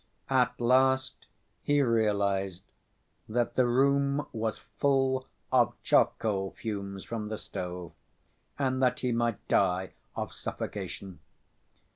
At last he realized that the room was full of charcoal fumes from the stove, and that he might die of suffocation.